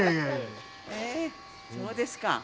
えそうですか。